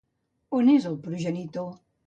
On és el progenitor?